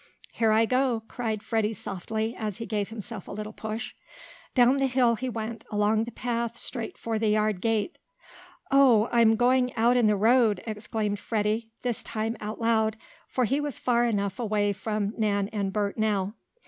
"Here I go!" cried Freddie softly, as he gave himself a little push. Down the hill he went, along the path, straight for the yard gate. "Oh! I'm going out in the road!" exclaimed Freddie, this time out loud, for he was far enough away from Nan and Bert now.